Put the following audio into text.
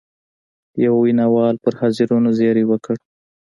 یوه ویناوال پر حاضرینو زېری وکړ.